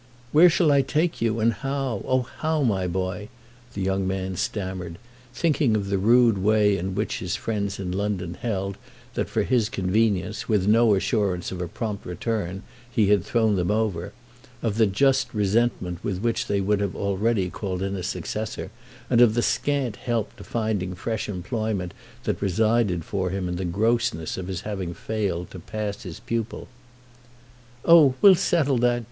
"Where shall I take you, and how—oh how, my boy?" the young man stammered, thinking of the rude way in which his friends in London held that, for his convenience, with no assurance of prompt return, he had thrown them over; of the just resentment with which they would already have called in a successor, and of the scant help to finding fresh employment that resided for him in the grossness of his having failed to pass his pupil. "Oh we'll settle that.